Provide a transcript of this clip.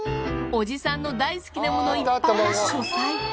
おじさんの大好きなものいっぱいな書斎。